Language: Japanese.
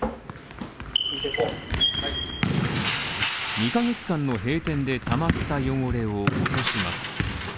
２ヶ月間の閉店でたまった汚れを落とします。